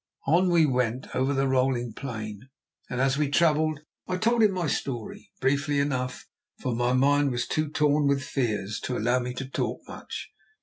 On we went over the rolling plain, and as we travelled I told him my story, briefly enough, for my mind was too torn with fears to allow me to talk much.